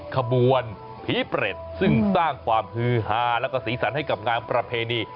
ขบวนผีเปรตซึ่งสร้างความฮือฮาแล้วก็สีสันให้กับงานประเพณี